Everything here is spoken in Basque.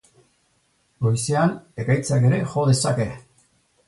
Goizean, ekaitzak ere jo dezake.